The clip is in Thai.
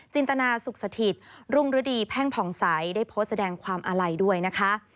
ตนาสุขสถิตรุ่งฤดีแพ่งผ่องใสได้โพสต์แสดงความอาลัยด้วยนะคะ